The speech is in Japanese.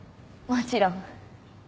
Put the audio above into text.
もちろん。